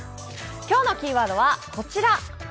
今日のキーワードはこちら。